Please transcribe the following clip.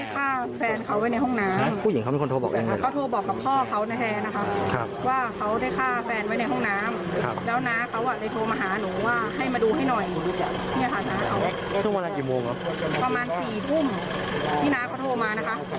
พ่อเขาในแทนว่าได้ฆ่าแฟนไว้ในห้องน้ำ